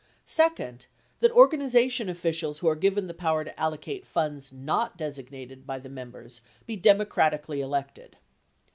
Second, that organization officials who are given the power to allocate funds not designated by the members be democratically elected.